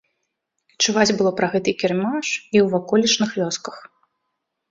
Чуваць было пра гэты кірмаш і ў ваколічных вёсках.